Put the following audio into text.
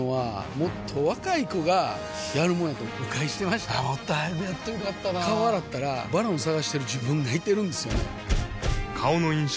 もっと早くやっといたら良かったなぁ顔洗ったら「ＶＡＲＯＮ」探してる自分がいてるんですよね